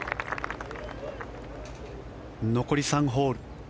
残り３ホール。